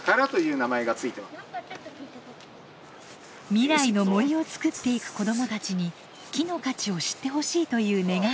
未来の森を作っていく子どもたちに木の価値を知ってほしいという願いを込めて。